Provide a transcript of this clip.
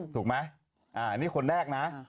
ถูกไหมอันนี้คนแรกนะ